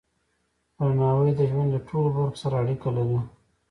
درناوی د ژوند د ټولو برخو سره اړیکه لري.